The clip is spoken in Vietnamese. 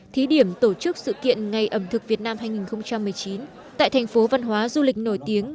thí điểm tổ chức sự kiện ngày ẩm thực việt nam hai nghìn một mươi chín tại thành phố văn hóa du lịch nổi tiếng